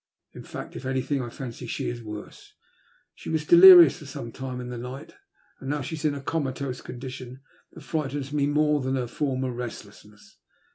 In fact, if anything, I fancy she is worse. She was delirious for some time in the night, and now she is in a comatose condition that frightens me more than her former restlessness.